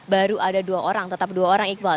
baru ada dua orang tetap dua orang iqbal